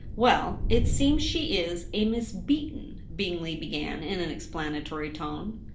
'Well, it seems she is a Miss Beaton,' Bingley began, in an explanatory tone.